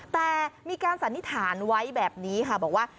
แต่มีการสันนิษฐานไว้แบบนี้ค่ะบอกว่า